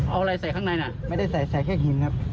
เอาอะไรใส่ข้างในน่ะไม่ได้ใส่ใส่แค่หินครับ